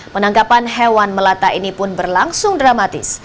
penangkapan hewan melata ini pun berlangsung dramatis